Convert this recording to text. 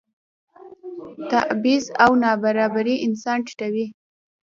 تبعیض او نابرابري انسان ټیټوي.